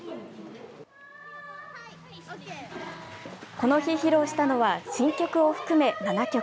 この日披露したのは新曲を含め、７曲。